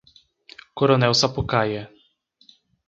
Coronel Sapucaia